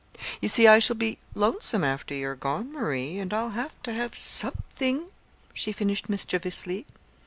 You see I shall be lonesome after you're gone, Marie, and I'll have to have something," she finished mischievously.